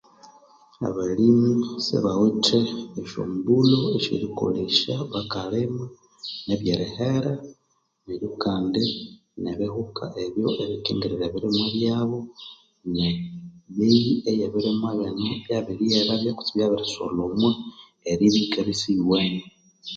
Abalimi sibawithe esyombulho esyerikolesya bakalima nebyerihera, neryo kandi nebihuka ebyo ebikingirira ebirimwa byabo ne ebeyi eye ebirimwa bino ibyabiryera kutse ibyabirisolhomwa eribya iyikikalha isiyuwene.